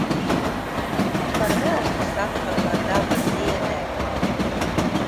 Ne par velti saka, ka daba dziedē.